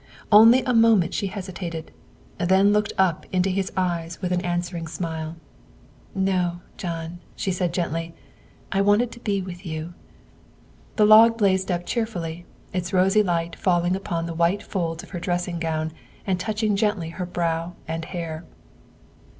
Only a moment she hesitated, then looked up into his eyes with an answering smile. THE SECRETARY OF STATE 227 " No, John," she said gently, " I wanted to be with you." The log blazed up cheerfully, its rosy light falling upon the white folds of her dressing gown and touching gently her brow and hair.